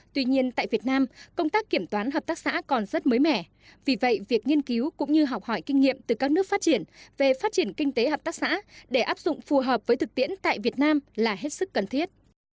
tuy nhiên tại việt nam công tác kiểm toán hợp tác xã còn rất mới mẻ vì vậy việc nghiên cứu cũng như học hỏi kinh nghiệm từ các nước phát triển về phát triển kinh tế hợp tác xã để áp dụng phù hợp với thực tiễn tại việt nam là hết sức cần thiết